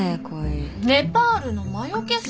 ネパールの魔よけさ。